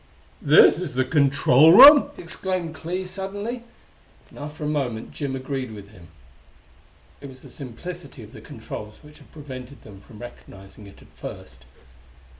"This is the control room!" exclaimed Clee suddenly; and after a moment Jim agreed with him. It was the simplicity of the controls which had prevented them from recognizing it at first.